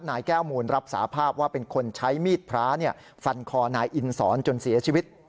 นายแก้วมูลรับสาภาพว่าเป็นคนใช้มีดพระฟันคอนายอินสอนจนเสียชีวิต